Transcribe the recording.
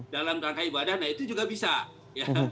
dalam rangka ibadah nah itu juga bisa ya